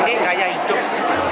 ini kayak hidup